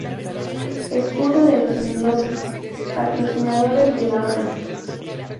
Escudo de los Mendoza, patrocinadores de la obra.